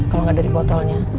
kalau gak dari botolnya